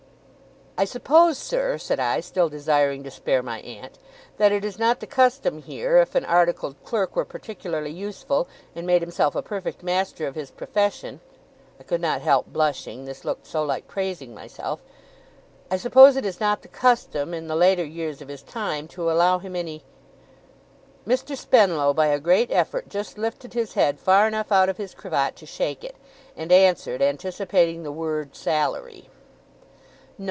'I suppose, sir,' said I, still desiring to spare my aunt, 'that it is not the custom here, if an articled clerk were particularly useful, and made himself a perfect master of his profession' I could not help blushing, this looked so like praising myself 'I suppose it is not the custom, in the later years of his time, to allow him any ' Mr. Spenlow, by a great effort, just lifted his head far enough out of his cravat to shake it, and answered, anticipating the word 'salary': 'No.